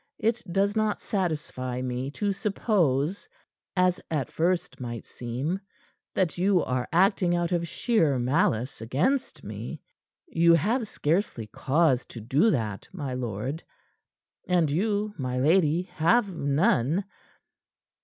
"It does not satisfy me to suppose, as at first might seem, that you are acting out of sheer malice against me. You have scarcely cause to do that, my lord; and you, my lady, have none.